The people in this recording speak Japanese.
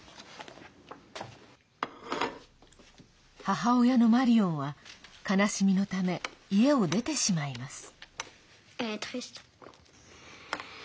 母親のマリオンは悲しみのため家を出てしまいます。